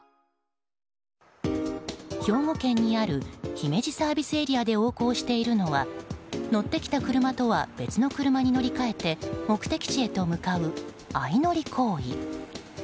兵庫県にある姫路ＳＡで横行しているのは乗ってきた車とは別の車に乗り換えて目的地へと向かう、相乗り行為。